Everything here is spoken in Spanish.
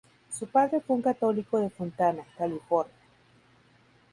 Su padre fue un católico de Fontana, California.